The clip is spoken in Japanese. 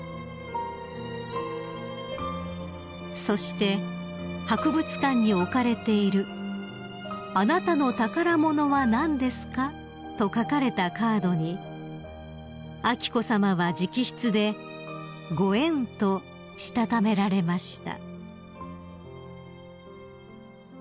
［そして博物館に置かれている「あなたの”たからもの”はなんですか？」と書かれたカードに彬子さまは直筆で「御縁」としたためられました］